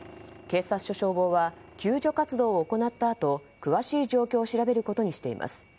警察と消防は救助活動を行ったあと詳しい状況を調べることにしています。